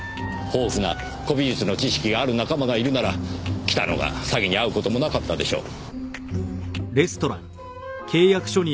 豊富な古美術の知識がある仲間がいるなら北野が詐欺に遭う事もなかったでしょう。